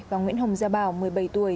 và nguyễn hồng gia bảo một mươi bảy tuổi